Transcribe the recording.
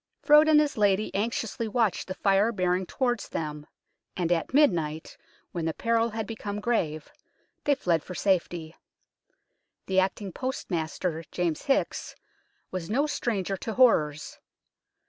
Frowde and his lady anxiously watched the Fire bearing towards them, and at midnight, when the peril had become grave, they fled for safety. The acting postmaster, James Hickes, was no stranger to horrors.